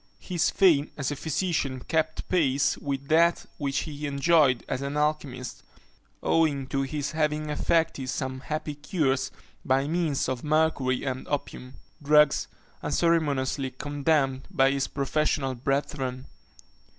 His fame as a physician kept pace with that which he enjoyed as an alchymist, owing to his having effected some happy cures by means of mercury and opium, drugs unceremoniously condemned by his professional brethren.